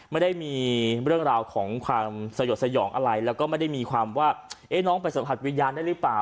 ไม่ได้มีเรื่องราวของความสยดสยองอะไรแล้วก็ไม่ได้มีความว่าน้องไปสัมผัสวิญญาณได้หรือเปล่า